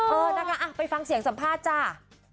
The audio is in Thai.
เออนะคะไปฟังเสียงสัมภาษณ์จ้า